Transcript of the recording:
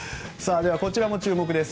では、こちらも注目です。